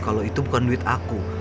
kalau itu bukan duit aku